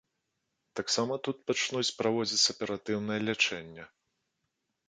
Таксама тут пачнуць праводзіць аператыўнае лячэнне.